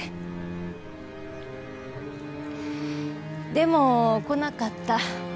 でも来なかった。